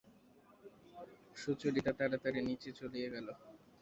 সুচরিতা তাড়াতাড়ি নীচে চলিয়া গেল।